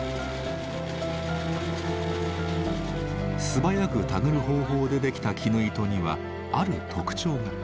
素早く手繰る方法でできた絹糸にはある特徴が。